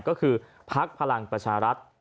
ก็คือพักพลังประชารัฐ